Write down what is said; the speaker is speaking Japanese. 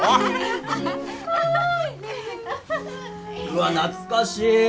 うわっ懐かしい。